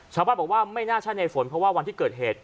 ชาวบ้านบอกว่าไม่น่าใช่ในฝนเพราะว่าวันที่เกิดเหตุ